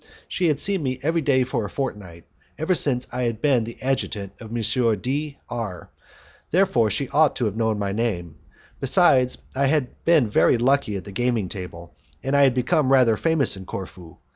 She had seen me every day for a fortnight, ever since I had been the adjutant of M. D R ; therefore she ought to have known my name. Besides, I had been very lucky at the gaming table, and I had become rather famous in Corfu.